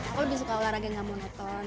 aku lebih suka olahraga gak monoton